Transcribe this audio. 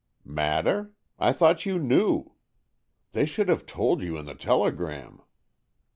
"Matter? I thought you knew. They should have told you in the telegram.